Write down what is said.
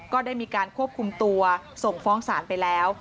ก็ได้มีการควบคุมตัวส่งฟ้องศาลไปแล้ว